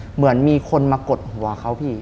เหมือนมีคนมากดหัวเขาพี่